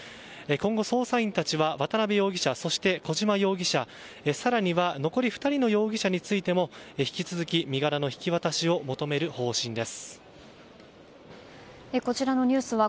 今後、捜査員たちは渡辺容疑者、そして小島容疑者更には残り２人の容疑者についても引き続き身柄の引き渡しを求める方針です。